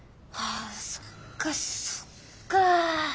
あそっかそっか。